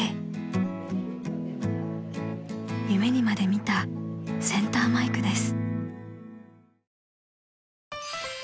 ［夢にまで見たセンターマイクです］